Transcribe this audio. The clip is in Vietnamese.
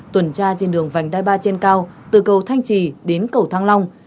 tuần tra trên đường vành đai ba trên cao từ cầu thanh trì đến cầu thăng long